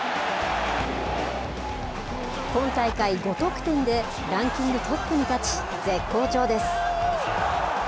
今大会５得点で、ランキングトップに立ち、絶好調です。